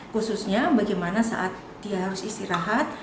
khususnya bagaimana saat dia harus istirahat